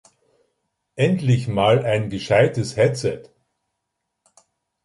Endlich mal ein gescheites Headset!